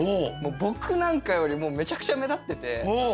僕なんかよりもめちゃくちゃ目立ってて。